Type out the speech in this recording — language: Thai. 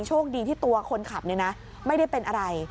โชคดีที่ตัวคนขับไม่ได้เป็นอะไร